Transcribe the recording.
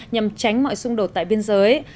nhằm tránh mọi xung đột tại biên giới